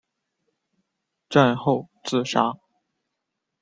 战后自杀。